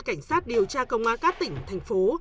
cảnh sát điều tra công an các tỉnh thành phố